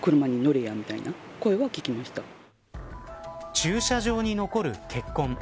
駐車場に残る血痕。